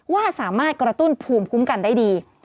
ว่าสามารถกระตุ้นภูมิคุ้มกันได้ดี